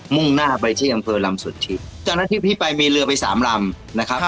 ่งหน้าไปที่อำเภอลำสุดทิศตอนนั้นที่พี่ไปมีเรือไปสามลำนะครับ